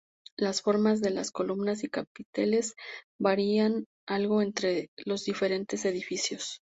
Las formas de las columnas y los capiteles varían algo entre los diferentes edificios.